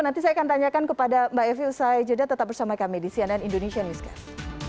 nanti saya akan tanyakan kepada mbak evi usai jeda tetap bersama kami di cnn indonesia newscast